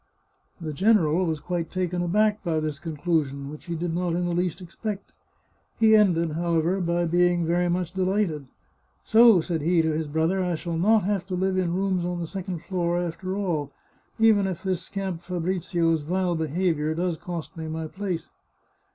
The general was quite taken aback by this conclu sion, which he did not in the least expect. He ended, how ever, by being very much delighted. " So," said he to his brother, " I shall not have to live in rooms on the second floor, after all, even if this scamp Fabrizio's vile behaviour does cost me my place."